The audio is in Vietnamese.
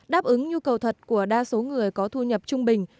đáp ứng nhu cầu thật của đa số người có thu nhập trung bình